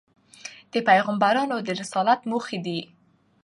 د پیغمبرانود رسالت موخي دي.